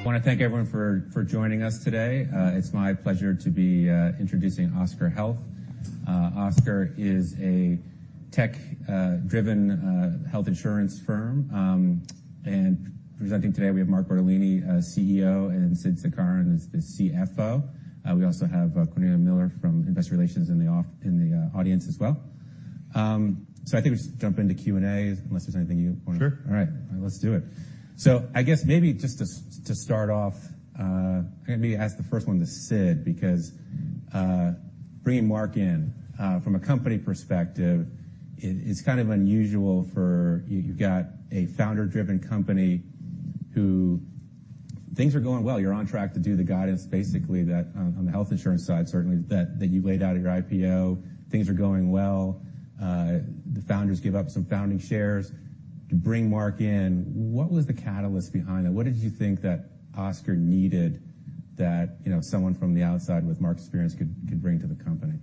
I wanna thank everyone for joining us today. It's my pleasure to be introducing Oscar Health. Oscar is a tech driven health insurance firm. Presenting today we have Mark Bertolini, CEO, and Sid Sankaran as the CFO. We also have Cornelia Miller from investor relations in the audience as well. I think we just jump into Q&A unless there's anything you wanna. Sure. All right. Let's do it. I guess maybe just to start off, maybe ask the first one to Sid, because bringing Mark in, from a company perspective it's kind of unusual for you got a founder-driven company who things are going well. You're on track to do the guidance basically that on the health insurance side, certainly that you laid out at your IPO. Things are going well. The founders give up some founding shares to bring Mark in. What was the catalyst behind it? What did you think that Oscar needed that, you know, someone from the outside with Mark's experience could bring to the company?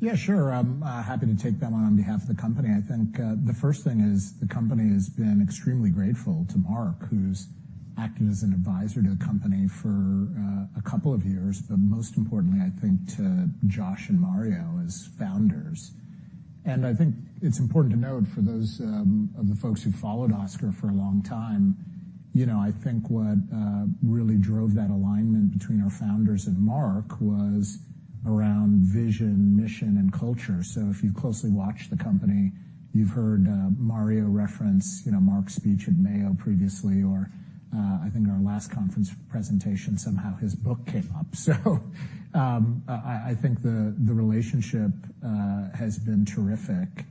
Yeah, sure. I'm happy to take that one on behalf of the company. I think the first thing is the company has been extremely grateful to Mark, who's acted as an advisor to the company for a couple of years, but most importantly, I think, to Josh and Mario as founders. I think it's important to note for those of the folks who followed Oscar for a long time, you know, I think what really drove that alignment between our founders and Mark was around vision, mission, and culture. If you closely watch the company, you've heard Mario reference, you know, Mark's speech at Mayo previously, or I think in our last conference presentation, somehow his book came up. I think the relationship has been terrific.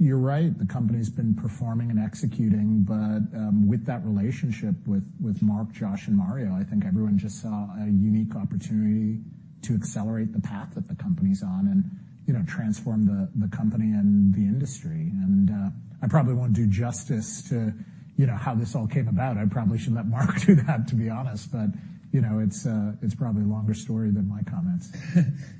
You're right, the company's been performing and executing, but with that relationship with Mark, Josh, and Mario, I think everyone just saw a unique opportunity to accelerate the path that the company's on and, you know, transform the company and the industry. I probably won't do justice to, you know, how this all came about. I probably should let Mark do that, to be honest. You know, it's probably a longer story than my comments.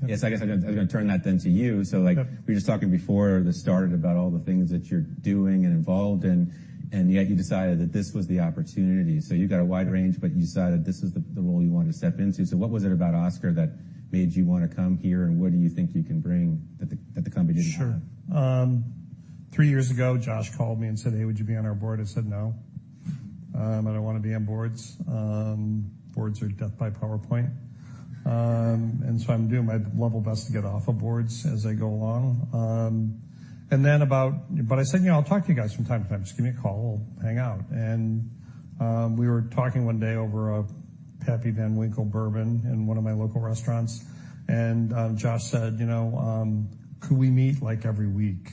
Yes, I guess I was gonna, I was gonna turn that then to you. Sure. We were just talking before this started about all the things that you're doing and involved in, yet you decided that this was the opportunity. You've got a wide range, but you decided this is the role you wanted to step into. What was it about Oscar that made you wanna come here, and what do you think you can bring that the company didn't have? Sure. Three years ago, Josh called me and said, "Hey, would you be on our board?" I said, "No." I don't wanna be on boards. Boards are death by PowerPoint. I'm doing my level best to get off of boards as I go along. I said, "You know, I'll talk to you guys from time to time. Just give me a call. We'll hang out." We were talking one day over a Pappy Van Winkle bourbon in one of my local restaurants, and Josh said, you know, "Could we meet, like, every week?"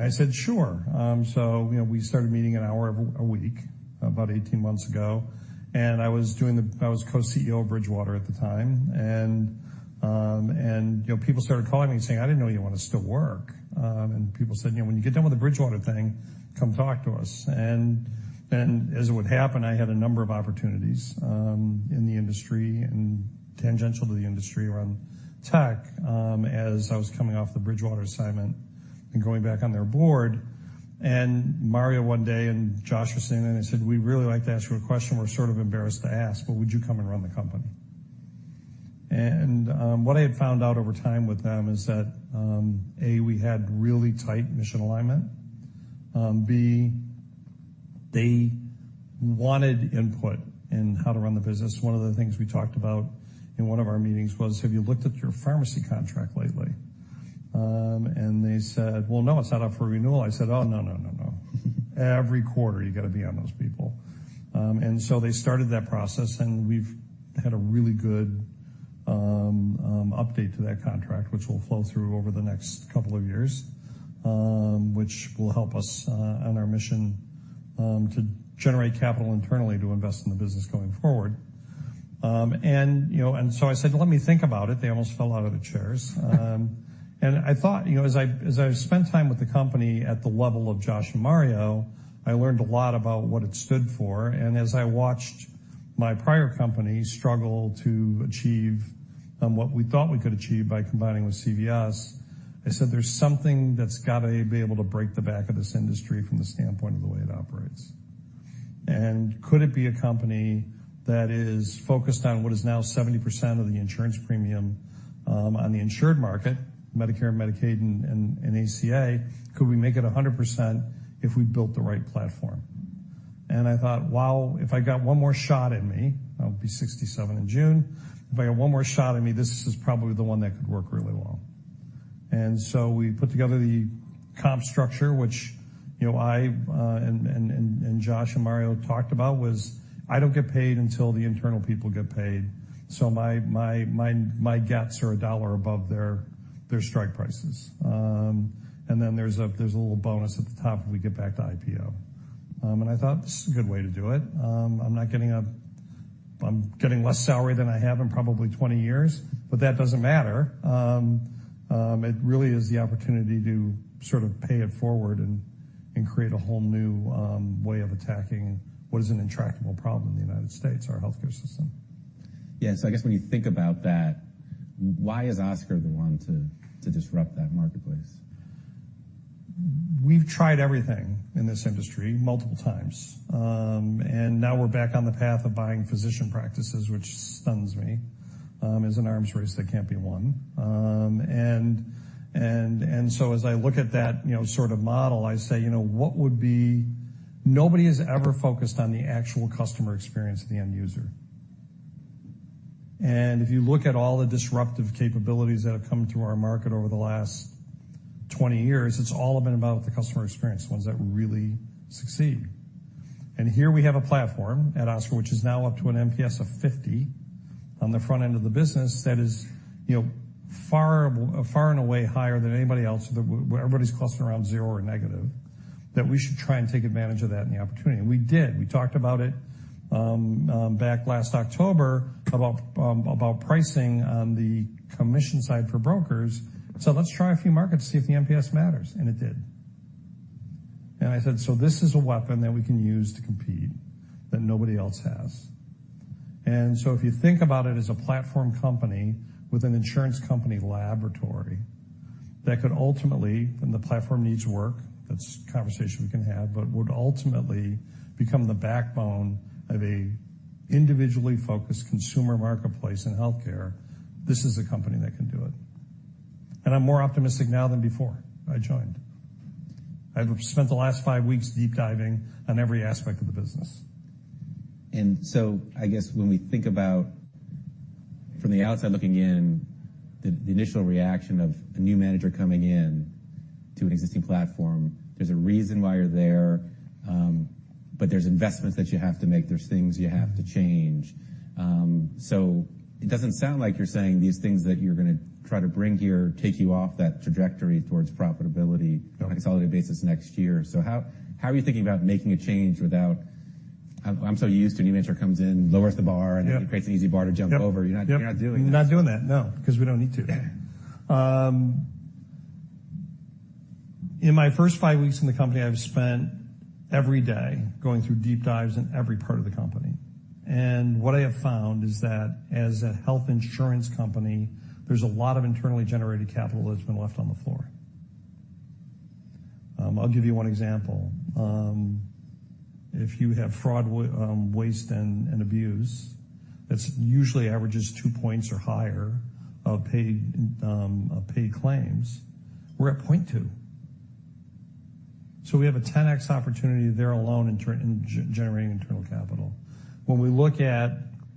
I said, "Sure." You know, we started meeting one hour a week, about 18 months ago. I was co-CEO of Bridgewater at the time. You know, people started calling me saying, "I didn't know you wanted to still work." People said, you know, "When you get done with the Bridgewater thing, come talk to us." Then as it would happen, I had a number of opportunities in the industry and tangential to the industry around tech as I was coming off the Bridgewater assignment and going back on their board. Mario one day and Josh were saying, they said, "We'd really like to ask you a question we're sort of embarrassed to ask, but would you come and run the company?" What I had found out over time with them is that A, we had really tight mission alignment. B, they wanted input in how to run the business. One of the things we talked about in one of our meetings was, "Have you looked at your pharmacy contract lately?" They said, "Well, no, it's not up for renewal." I said, "Oh, no, no. Every quarter you gotta be on those people." They started that process, and we've had a really good update to that contract, which will flow through over the next two years, which will help us on our mission to generate capital internally to invest in the business going forward. You know, I said, "Let me think about it." They almost fell out of the chairs. I thought, you know, as I spent time with the company at the level of Josh and Mario, I learned a lot about what it stood for. As I watched my prior company struggle to achieve what we thought we could achieve by combining with CVS, I said, there's something that's gotta be able to break the back of this industry from the standpoint of the way it operates. Could it be a company that is focused on what is now 70% of the insurance premium on the insured market, Medicare, Medicaid, and ACA? Could we make it 100% if we built the right platform? I thought, wow, if I got one more shot at me, I'll be 67 in June. If I got one more shot at me, this is probably the one that could work really well. We put together the comp structure, which, you know, I, and Josh and Mario talked about was, I don't get paid until the internal people get paid. My gets are $1 above their strike prices. There's a little bonus at the top if we get back to IPO. I thought, this is a good way to do it. I'm getting less salary than I have in probably 20 years, but that doesn't matter. It really is the opportunity to sort of pay it forward and create a whole new way of attacking what is an intractable problem in the United States, our healthcare system. Yeah. I guess when you think about that, why is Oscar the one to disrupt that marketplace? We've tried everything in this industry multiple times. Now we're back on the path of buying physician practices, which stuns me as an arms race that can't be won. So as I look at that, you know, sort of model, I say, you know, Nobody has ever focused on the actual customer experience of the end user. If you look at all the disruptive capabilities that have come to our market over the last 20 years, it's all been about the customer experience, ones that really succeed. Here we have a platform at Oscar, which is now up to an MPS of 50 on the front end of the business that is, you know, far, far and away higher than anybody else. Where everybody's clustering around zero or negative, that we should try and take advantage of that and the opportunity. We did. We talked about it back last October about pricing on the commission side for brokers. Let's try a few markets to see if the MPS matters. It did. I said, this is a weapon that we can use to compete that nobody else has. If you think about it as a platform company with an insurance company laboratory that could ultimately, and the platform needs work, that's a conversation we can have, but would ultimately become the backbone of a individually focused consumer marketplace in healthcare. This is a company that can do it. I'm more optimistic now than before I joined. I've spent the last five weeks deep diving on every aspect of the business. I guess when we think about from the outside looking in, the initial reaction of a new manager coming in to an existing platform, there's a reason why you're there, but there's investments that you have to make, there's things you have to change. It doesn't sound like you're saying these things that you're gonna try to bring here take you off that trajectory towards profitability on a consolidated basis next year. How are you thinking about making a change without... I'm so used to a new manager comes in, lowers the bar, and it creates an easy bar to jump over. You're not doing that. Not doing that, no, 'cause we don't need to. Yeah. In my first five weeks in the company, I've spent every day going through deep dives in every part of the company. What I have found is that as a health insurance company, there's a lot of internally generated capital that's been left on the floor. I'll give you one example. If you have fraud, waste and abuse, that's usually averages two points or higher of paid claims. We're at 0.2. We have a 10x opportunity there alone in generating internal capital. We look at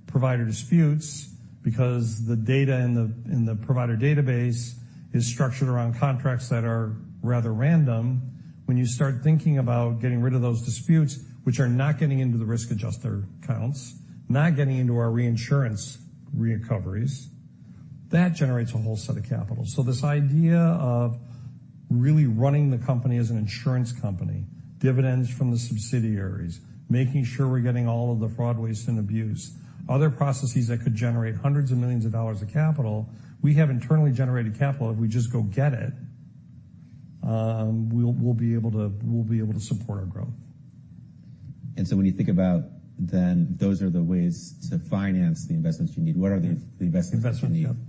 provider disputes, because the data in the provider database is structured around contracts that are rather random, when you start thinking about getting rid of those disputes, which are not getting into the risk adjuster counts, not getting into our reinsurance recoveries, that generates a whole set of capital. This idea of really running the company as an insurance company, dividends from the subsidiaries, making sure we're getting all of the fraud, waste, and abuse, other processes that could generate hundreds of millions of dollars of capital, we have internally generated capital. If we just go get it, we'll be able to support our growth. When you think about then those are the ways to finance the investments you need, what are the investments you need? Investments,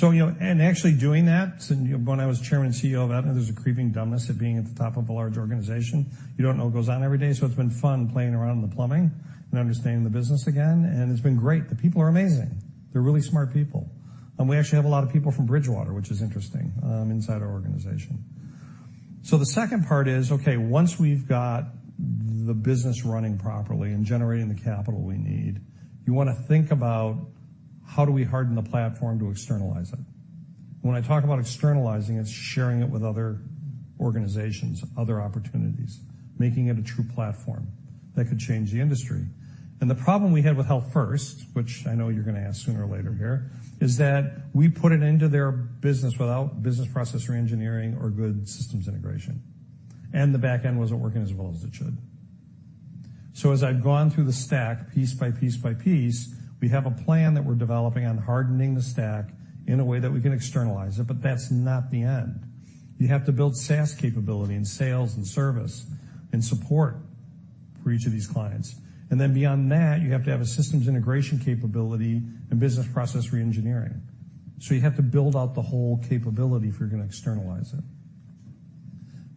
yeah. You know, actually doing that, when I was Chairman and CEO of Aetna, there's a creeping dumbness of being at the top of a large organization. You don't know what goes on every day. It's been fun playing around in the plumbing and understanding the business again. It's been great. The people are amazing. They're really smart people. We actually have a lot of people from Bridgewater, which is interesting, inside our organization. The second part is, okay, once we've got the business running properly and generating the capital we need, you wanna think about how do we harden the platform to externalize it. When I talk about externalizing, it's sharing it with other organizations, other opportunities, making it a true platform that could change the industry. The problem we had with Healthfirst, which I know you're gonna ask sooner or later here, is that we put it into their business without business process reengineering or good systems integration. The back end wasn't working as well as it should. As I've gone through the stack piece by piece by piece, we have a plan that we're developing on hardening the stack in a way that we can externalize it, but that's not the end. You have to build SaaS capability in sales and service and support for each of these clients. Beyond that, you have to have a systems integration capability and business process reengineering. You have to build out the whole capability if you're gonna externalize it.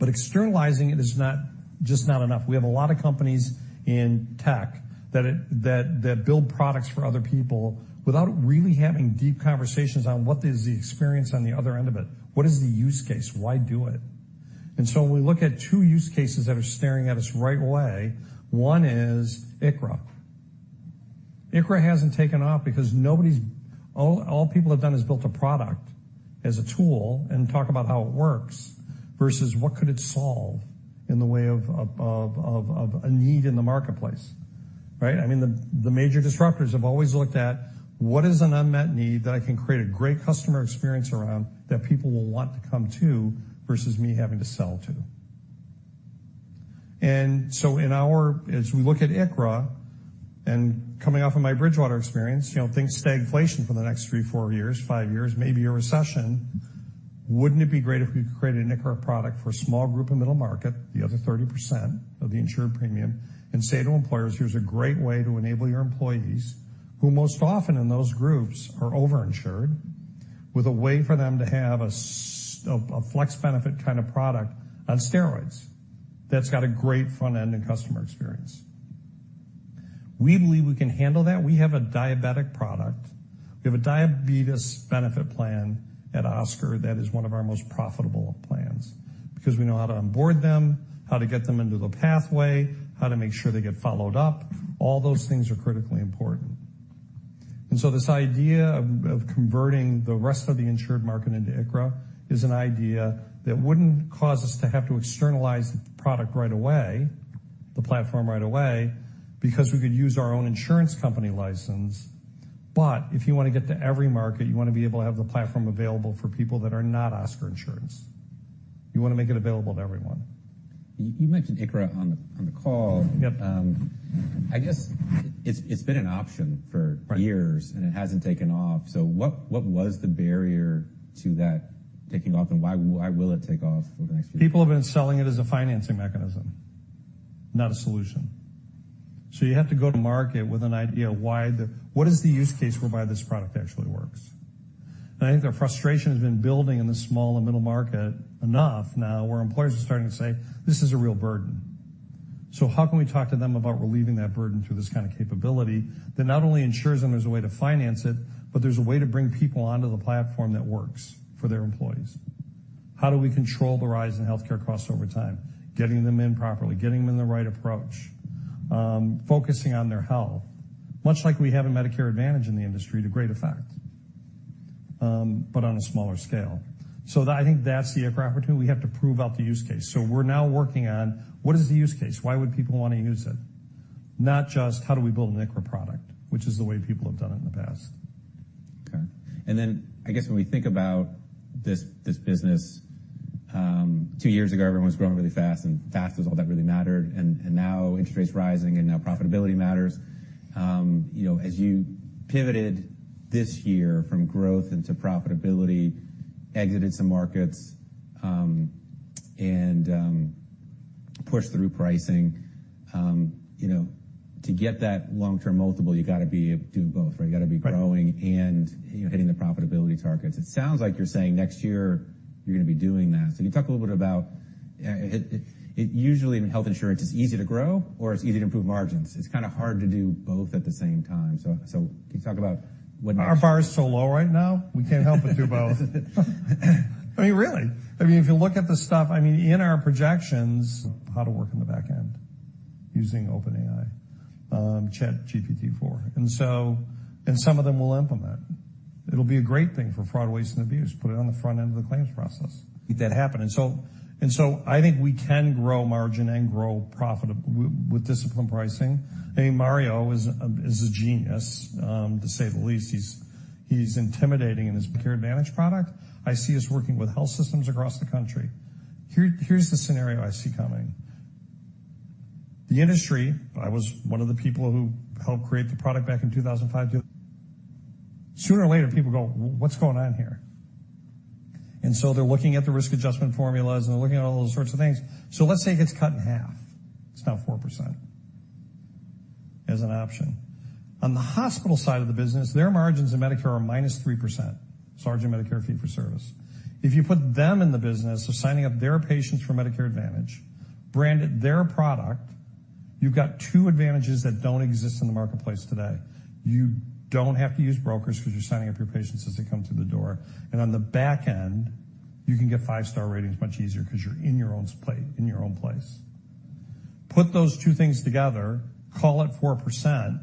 Externalizing it is not, just not enough. We have a lot of companies in tech that build products for other people without really having deep conversations on what is the experience on the other end of it. What is the use case? Why do it? We look at two use cases that are staring at us right away. One is ICHRA. ICHRA hasn't taken off because all people have done is built a product as a tool and talk about how it works versus what could it solve in the way of a need in the marketplace, right? I mean, the major disruptors have always looked at what is an unmet need that I can create a great customer experience around that people will want to come to versus me having to sell to. As we look at ICHRA, and coming off of my Bridgewater experience, you know, think stagflation for the next three, four years, five years, maybe a recession. Wouldn't it be great if we could create an ICHRA product for a small group of middle market, the other 30% of the insured premium, and say to employers, "Here's a great way to enable your employees," who most often in those groups are over-insured. With a way for them to have a flex benefit kind of product on steroids that's got a great front-end and customer experience. We believe we can handle that. We have a diabetic product. We have a diabetes benefit plan at Oscar that is one of our most profitable plans because we know how to onboard them, how to get them into the pathway, how to make sure they get followed up. All those things are critically important. This idea of converting the rest of the insured market into ICHRA is an idea that wouldn't cause us to have to externalize the product right away, the platform right away, because we could use our own insurance company license. If you wanna get to every market, you wanna be able to have the platform available for people that are not Oscar insurance. You wanna make it available to everyone. You mentioned ICHRA on the call. Yep. I guess it's been an option. Right. -Years, and it hasn't taken off. What was the barrier to that taking off, and why will it take off over the next few years? People have been selling it as a financing mechanism, not a solution. You have to go to market with an idea what is the use case whereby this product actually works? I think the frustration has been building in the small and middle market enough now where employers are starting to say, "This is a real burden." How can we talk to them about relieving that burden through this kind of capability that not only ensures them there's a way to finance it, but there's a way to bring people onto the platform that works for their employees? How do we control the rise in healthcare costs over time? Getting them in properly, getting them in the right approach, focusing on their health, much like we have in Medicare Advantage in the industry to great effect, but on a smaller scale. I think that's the ICHRA opportunity. We have to prove out the use case. We're now working on what is the use case? Why would people wanna use it? Not just how do we build an ICHRA product, which is the way people have done it in the past. Okay. Then I guess when we think about this business, two years ago, everyone was growing really fast, and fast was all that really mattered. Now interest rates rising, and now profitability matters. You know, as you pivoted this year from growth into profitability, exited some markets, and pushed through pricing, you know, to get that long-term multiple, you gotta be able to do both, right? Right. You gotta be growing and, you know, hitting the profitability targets. It sounds like you're saying next year you're gonna be doing that. Can you talk a little bit about it, usually in health insurance, it's easy to grow or it's easy to improve margins. It's kinda hard to do both at the same time. Can you talk about what makes. Our bar is so low right now, we can't help but do both. I mean, really. I mean, if you look at the stuff, I mean, in our projections how to work on the back end using OpenAI, GPT-4. Some of them will implement. It'll be a great thing for fraud, waste, and abuse. Put it on the front end of the claims process. Make that happen. I think we can grow margin and grow profit with disciplined pricing. I mean, Mario is a genius to say the least. He's intimidating in his Medicare Advantage product. I see us working with health systems across the country. Here's the scenario I see coming. The industry, I was one of the people who helped create the product back in 2005 to... Sooner or later, people go, "What's going on here?" They're looking at the risk adjustment formulas, and they're looking at all those sorts of things. Let's say it gets cut in half. It's now 4% as an option. On the hospital side of the business, their margins in Medicare are -3%, versus Medicare fee-for-service. If you put them in the business of signing up their patients for Medicare Advantage, branded their product, you've got two advantages that don't exist in the marketplace today. You don't have to use brokers 'cause you're signing up your patients as they come through the door. On the back end, you can get five-star ratings much easier 'cause you're in your own place. Put those two things together, call it 4%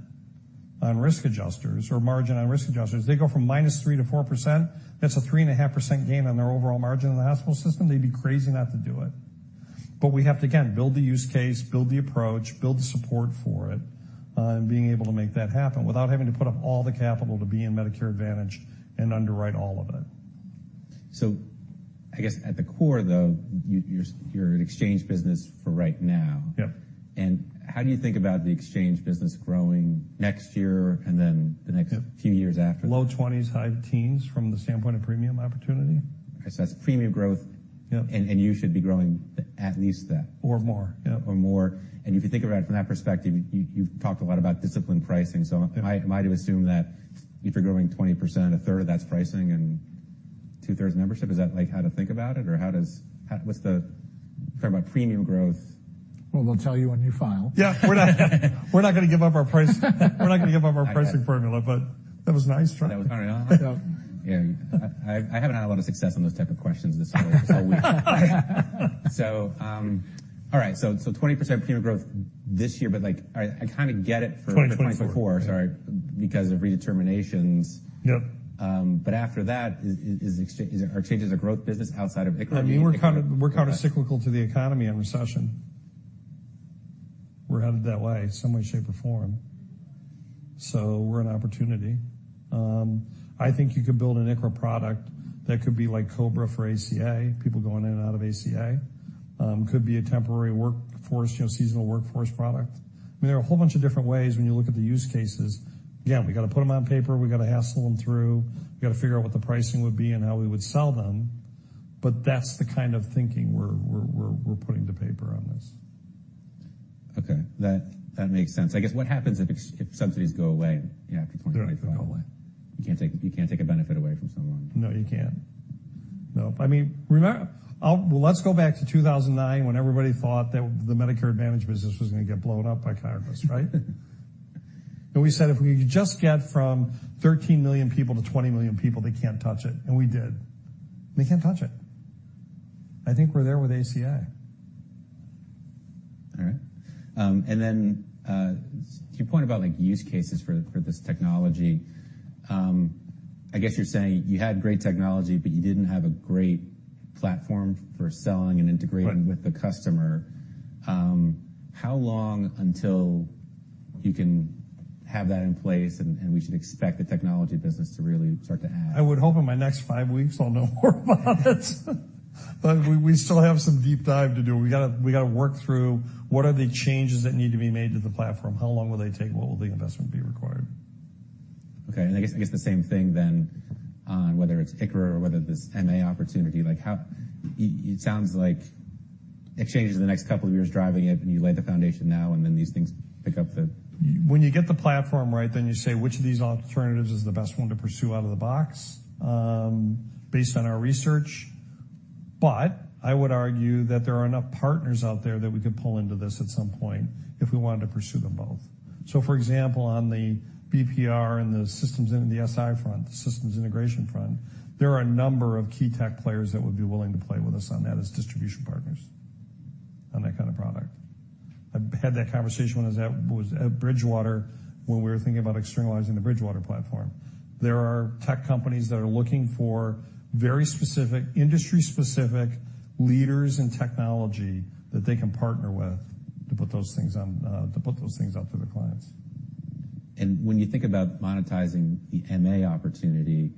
on risk adjusters or margin on risk adjusters. They go from -3% to 4%, that's a 3.5% gain on their overall margin in the hospital system. They'd be crazy not to do it. We have to, again, build the use case, build the approach, build the support for it, and being able to make that happen without having to put up all the capital to be in Medicare Advantage and underwrite all of it. I guess at the core, though, you're an exchange business for right now. Yep. How do you think about the exchange business growing next year and then the next- Yep. few years after that? Low 20s%, high 10s% from the standpoint of premium opportunity. Okay, that's premium growth. Yep. You should be growing at least that. more. Yep. More. If you think about it from that perspective, you've talked a lot about disciplined pricing. Am I to assume that if you're growing 20%, a third of that's pricing and two-thirds membership? Is that, like, how to think about it? Talk about premium growth. They'll tell you when you file. Yeah. We're not gonna give up our price, we're not gonna give up our pricing formula, but that was a nice try. That was all right. Yeah. Yeah. I haven't had a lot of success on those type of questions this whole week. All right. 20% premium growth this year, but, like, I kinda get it. 2024. 2024. Sorry. Because of redeterminations. Yep. After that, are changes a growth business outside of ICHRA? I mean, we're countercyclical to the economy and recession. We're headed that way some way, shape, or form. We're an opportunity. I think you could build an ICHRA product that could be like COBRA for ACA, people going in and out of ACA. Could be a temporary workforce, you know, seasonal workforce product. I mean, there are a whole bunch of different ways when you look at the use cases. Again, we gotta put them on paper, we gotta hassle them through, we gotta figure out what the pricing would be and how we would sell them, that's the kind of thinking we're putting to paper on this. Okay, that makes sense. I guess what happens if subsidies go away in, yeah, after 2025? They don't go away. You can't take a benefit away from someone? No, you can't. No. I mean, Well, let's go back to 2009 when everybody thought that the Medicare Advantage business was gonna get blown up by chiropractors, right? We said, if we could just get from 13 million people to 20 million people, they can't touch it, and we did. They can't touch it. I think we're there with ACA. All right. To your point about, like, use cases for this technology, I guess you're saying you had great technology, but you didn't have a great platform for selling and integrating- Right. -With the customer. How long until you can have that in place and we should expect the technology business to really start to add? I would hope in my next five weeks I'll know more about it. We still have some deep dive to do. We gotta work through what are the changes that need to be made to the platform? How long will they take? What will the investment be required? Okay. I guess the same thing then on whether it's ICHRA or whether this MA opportunity, like, how... It sounds like exchanges in the next couple of years driving it, and you lay the foundation now, and then these things pick up. When you get the platform right, then you say which of these alternatives is the best one to pursue out of the box, based on our research. I would argue that there are enough partners out there that we could pull into this at some point if we wanted to pursue them both. For example, on the BPR and the systems and the SI front, the systems integration front, there are a number of key tech players that would be willing to play with us on that as distribution partners on that kind of product. I've had that conversation when I was at Bridgewater when we were thinking about externalizing the Bridgewater platform. There are tech companies that are looking for very specific, industry-specific leaders in technology that they can partner with to put those things on, to put those things out to their clients. When you think about monetizing the MA opportunity,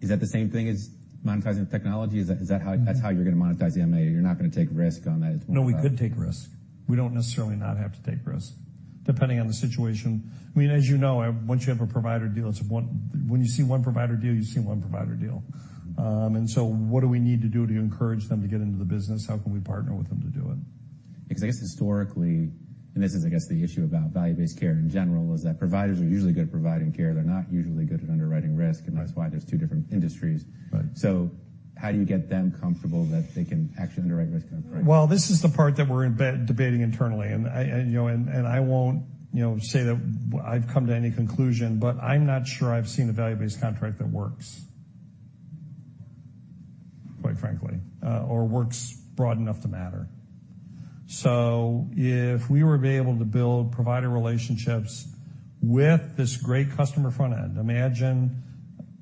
is that the same thing as monetizing the technology? Is that how, that's how you're gonna monetize the MA? You're not gonna take risk on that as well? No, we could take risk. We don't necessarily not have to take risk, depending on the situation. I mean, as you know, when you see one provider deal, you've seen one provider deal. What do we need to do to encourage them to get into the business? How can we partner with them to do it? I guess historically, and this is, I guess, the issue about value-based care in general, is that providers are usually good at providing care. They're not usually good at underwriting risk, and that's why there's two different industries. Right. How do you get them comfortable that they can actually underwrite risk in a price? Well, this is the part that we're debating internally. I, you know, and I won't, you know, say that I've come to any conclusion, but I'm not sure I've seen a value-based contract that works, quite frankly, or works broad enough to matter. If we were to be able to build provider relationships with this great customer front end, imagine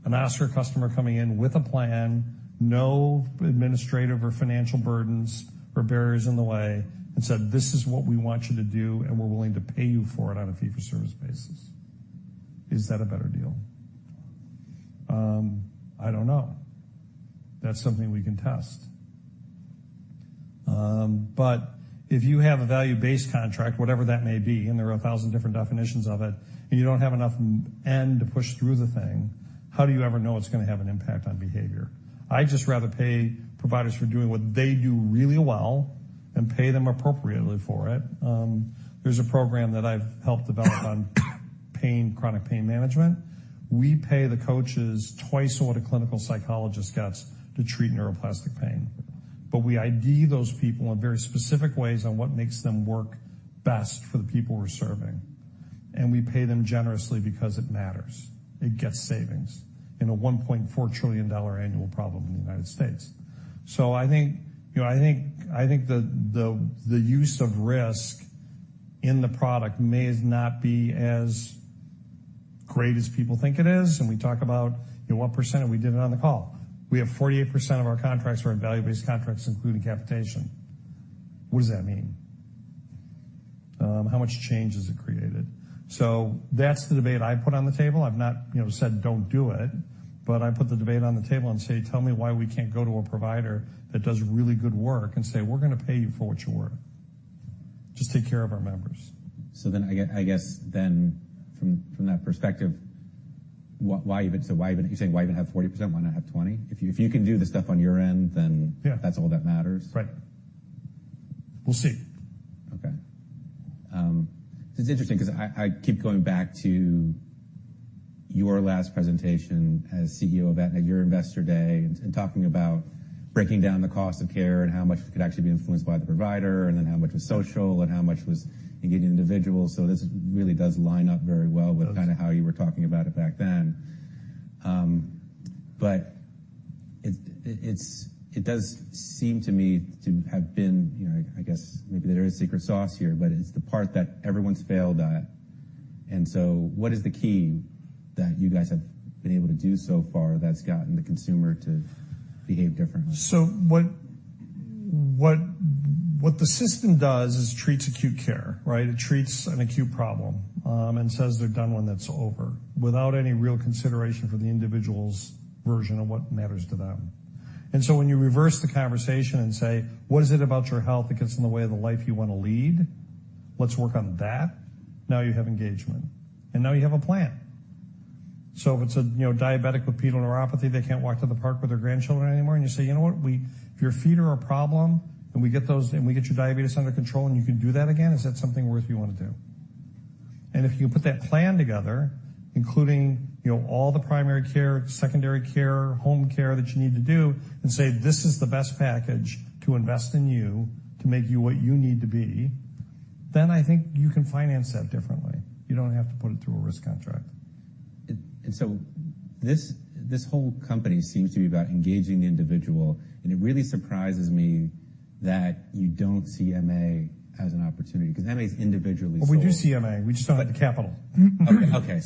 an Oscar customer coming in with a plan, no administrative or financial burdens or barriers in the way, and said, "This is what we want you to do, and we're willing to pay you for it on a fee-for-service basis." Is that a better deal? I don't know. That's something we can test. If you have a value-based contract, whatever that may be, and there are 1,000 different definitions of it, and you don't have enough end to push through the thing, how do you ever know it's gonna have an impact on behavior? I'd just rather pay providers for doing what they do really well and pay them appropriately for it. There's a program that I've helped develop on pain, chronic pain management. We pay the coaches twice what a clinical psychologist gets to treat neuroplastic pain. We ID those people in very specific ways on what makes them work best for the people we're serving. We pay them generously because it matters. It gets savings in a $1.4 trillion annual problem in the United States. I think, you know, I think the use of risk in the product may not be as great as people think it is. We talk about, you know, what percent, and we did it on the call. We have 48% of our contracts are in value-based contracts, including capitation. What does that mean? How much change has it created? That's the debate I put on the table. I've not, you know, said, "Don't do it," but I put the debate on the table and say, "Tell me why we can't go to a provider that does really good work and say, 'We're gonna pay you for what you're worth. Just take care of our members.' I guess then from that perspective, why even, you're saying why even have 40%? Why not have 20? If you can do the stuff on your end, then- Yeah. That's all that matters. Right. We'll see. Okay. It's interesting 'cause I keep going back to your last presentation as CEO of Aetna, your investor day, and talking about breaking down the cost of care and how much could actually be influenced by the provider and then how much was social and how much was, again, individual. This really does line up very well. It does. -With kind of how you were talking about it back then. It does seem to me to have been, you know, I guess maybe there is secret sauce here, but it's the part that everyone's failed at. What is the key that you guys have been able to do so far that's gotten the consumer to behave differently? What the system does is treats acute care, right? It treats an acute problem, and says they're done when it's over, without any real consideration for the individual's version of what matters to them. When you reverse the conversation and say, "What is it about your health that gets in the way of the life you wanna lead? Let's work on that," now you have engagement, and now you have a plan. If it's a, you know, diabetic with peripheral neuropathy, they can't walk to the park with their grandchildren anymore, and you say, "You know what? If your feet are a problem, and we get your diabetes under control, and you can do that again, is that something worth you wanna do?" If you put that plan together, including, you know, all the primary care, secondary care, home care that you need to do and say, "This is the best package to invest in you to make you what you need to be," then I think you can finance that differently. You don't have to put it through a risk contract. This whole company seems to be about engaging the individual, and it really surprises me that you don't see MA as an opportunity 'cause MA's individually sold. Oh, we do see MA. We just don't have the capital. Okay.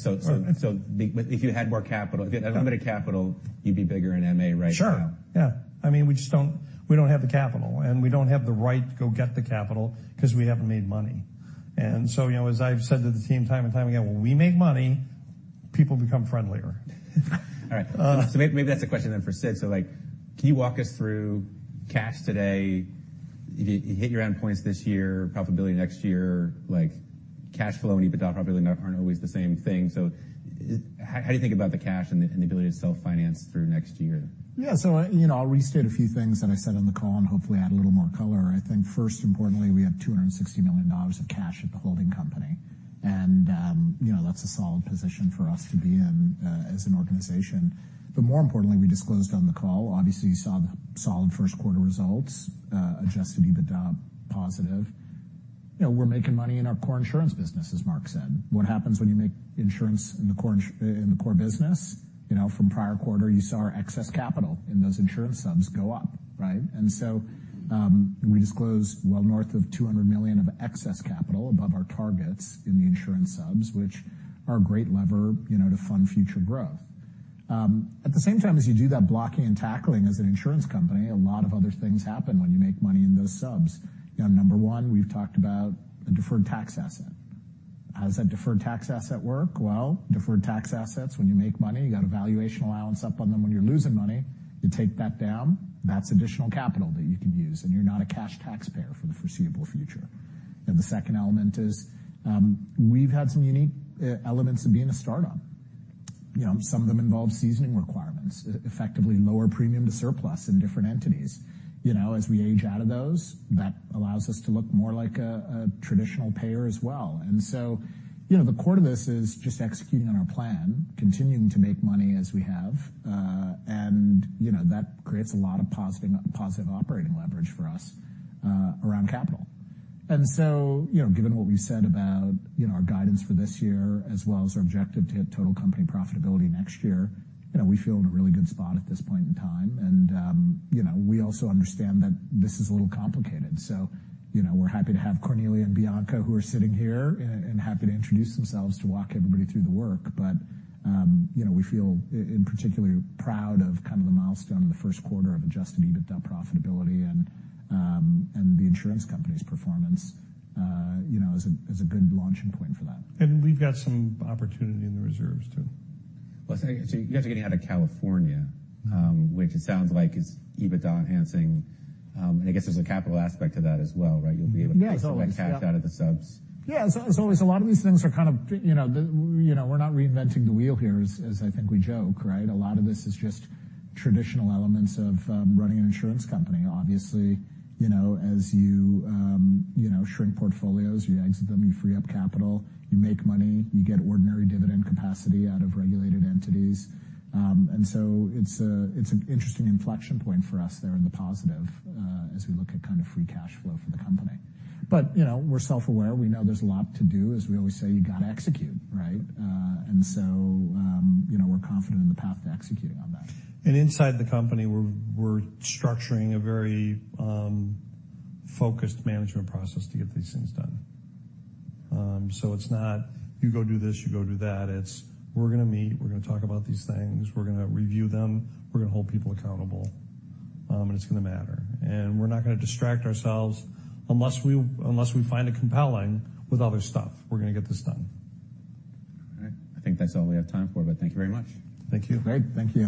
If you had more capital, if you had unlimited capital, you'd be bigger in MA right now. Sure, yeah. I mean, we just don't have the capital, and we don't have the right to go get the capital 'cause we haven't made money. You know, as I've said to the team time and time again, when we make money, people become friendlier. All right. Maybe that's a question then for Sid. Like, can you walk us through cash today, you hit your endpoints this year, profitability next year, like, cashflow and EBITDA probably are not always the same thing. How do you think about the cash and the ability to self-finance through next year? Yeah. You know, I'll restate a few things that I said on the call and hopefully add a little more color. I think first importantly, we have $260 million of cash at the holding company. You know, that's a solid position for us to be in as an organization. More importantly, we disclosed on the call, obviously, you saw the solid first quarter results, Adjusted EBITDA positive. You know, we're making money in our core insurance business, as Mark said. What happens when you make insurance in the core business? You know, from prior quarter, you saw our excess capital in those insurance subs go up, right? We disclosed well north of $200 million of excess capital above our targets in the insurance subs, which are a great lever, you know, to fund future growth. At the same time, as you do that blocking and tackling as an insurance company, a lot of other things happen when you make money in those subs. Number one, we've talked about a deferred tax asset. How does that deferred tax asset work? Well, deferred tax assets, when you make money, you got a valuation allowance up on them. When you're losing money, you take that down, that's additional capital that you can use, and you're not a cash taxpayer for the foreseeable future. The second element is, we've had some unique e-elements of being a startup. You know, some of them involve seasoning requirements, effectively lower premium-to-surplus in different entities. You know, as we age out of those, that allows us to look more like a traditional payer as well. You know, the core to this is just executing on our plan, continuing to make money as we have, and, you know, that creates a lot of positive operating leverage for us around capital. You know, given what we said about, you know, our guidance for this year as well as our objective to hit total company profitability next year, you know, we feel in a really good spot at this point in time. You know, we also understand that this is a little complicated. You know, we're happy to have Cornelia and Bianca, who are sitting here and happy to introduce themselves to walk everybody through the work. You know, we feel in particular proud of kind of the milestone in the first quarter of Adjusted EBITDA profitability and the insurance company's performance, you know, as a, as a good launching point for that. We've got some opportunity in the reserves too. You guys are getting out of California, which it sounds like is EBITDA enhancing. I guess there's a capital aspect to that as well, right? You'll be able to pull some of that cash out of the subs. Yeah. As always, a lot of these things are kind of, you know, we're not reinventing the wheel here, as I think we joke, right? A lot of this is just traditional elements of running an insurance company. Obviously, you know, as you know, shrink portfolios, you exit them, you free up capital, you make money, you get ordinary dividend capacity out of regulated entities. It's an interesting inflection point for us there in the positive, as we look at kind of free cash flow for the company. You know, we're self-aware. We know there's a lot to do. As we always say, you gotta execute, right? You know, we're confident in the path to executing on that. Inside the company, we're structuring a very focused management process to get these things done. It's not, "You go do this, you go do that." It's, "We're gonna meet, we're gonna talk about these things, we're gonna review them, we're gonna hold people accountable, and it's gonna matter." We're not gonna distract ourselves unless we find it compelling with other stuff. We're gonna get this done. All right. I think that's all we have time for, but thank you very much. Thank you. Great. Thank you.